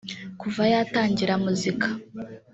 Kuva yatangira muzika